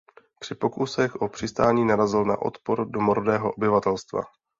Při pokusech o přistání narazil na odpor domorodého obyvatelstva.